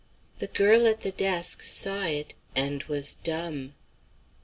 The girl at the desk saw it and was dumb.